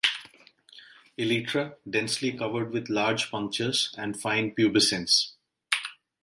Elytra densely covered with large punctures and fine pubescence.